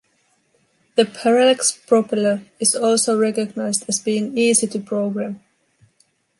The Parallax Propeller is also recognized as being easy to program.